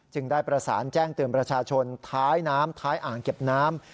ได้ประสานแจ้งเตือนประชาชนท้ายน้ำท้ายอ่างเก็บน้ำ